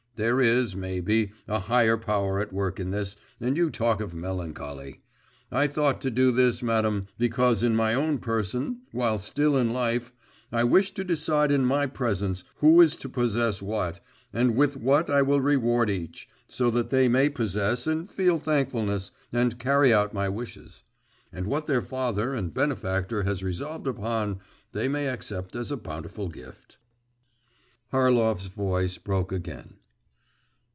There is, maybe, a higher power at work in this, and you talk of melancholy. I thought to do this, madam, because in my own person, while still in life, I wish to decide in my presence, who is to possess what, and with what I will reward each, so that they may possess, and feel thankfulness, and carry out my wishes, and what their father and benefactor has resolved upon, they may accept as a bountiful gift.' Harlov's voice broke again.